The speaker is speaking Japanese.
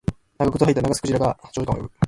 長靴を履いたナガスクジラが長時間泳ぐ